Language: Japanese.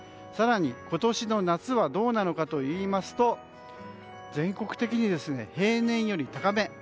更に、今年の夏はどうなのかといいますと全国的に平年より高め。